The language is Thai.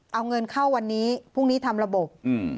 เอาเงินเข้าวันนี้พรุ่งนี้ทำระบบอืม